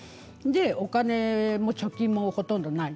お金も貯金もほとんどない。